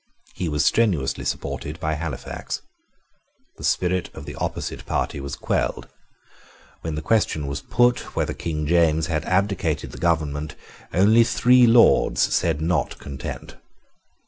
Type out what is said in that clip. He was strenuously supported by Halifax. The spirit of the opposite party was quelled. When the question was put whether King James had abdicated the government only three lords said Not Content.